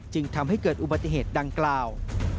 จึงทำให้เกิดอุบัติเหตุดังกล่าว